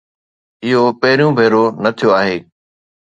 اهو پهريون ڀيرو نه ٿيو آهي.